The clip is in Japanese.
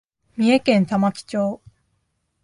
三重県玉城町